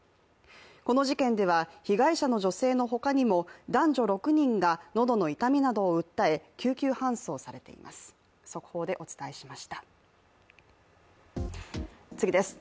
この事件では被害者の女性の他にも男女６人が喉の痛みなどを訴え救急搬送されています。